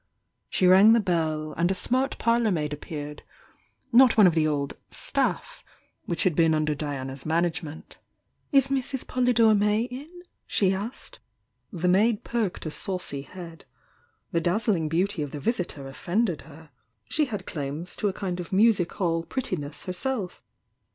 She rang the laell, and a smart THE YOUNG DIANA 885 parlour maid appeared, — not one of the old "staff" which had been under Diana's management. "Is Mrs. Polydore May in?" she asked. The maid perked a saucy head. The dazzling beauty of the visitor offended her — she had claims to a kind of music hall prettiness herself.